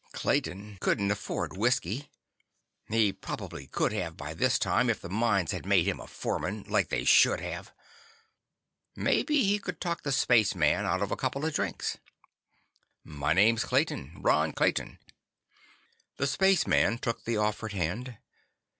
Clayton couldn't afford whiskey. He probably could have by this time, if the mines had made him a foreman, like they should have. Maybe he could talk the spaceman out of a couple of drinks. "My name's Clayton. Ron Clayton." The spaceman took the offered hand.